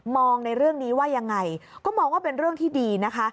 ในเรื่องนี้ว่ายังไงก็มองว่าเป็นเรื่องที่ดีนะคะ